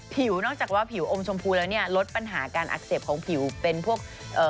นอกจากว่าผิวอมชมพูแล้วเนี่ยลดปัญหาการอักเสบของผิวเป็นพวกเอ่อ